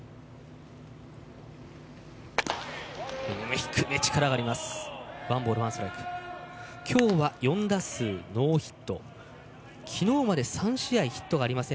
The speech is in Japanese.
低め、力があります。